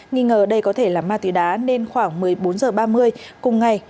nghi ngờ đây có thể là ma túy đá nên khoảng một mươi bốn h ba mươi cùng ngày